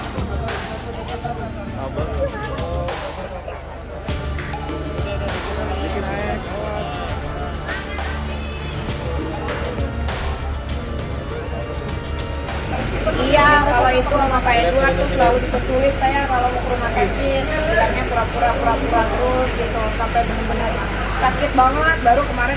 kekannya pura pura terus gitu sampai benar benar sakit banget baru kemarin